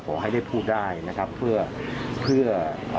ขอให้ได้พูดได้นะครับเพื่อ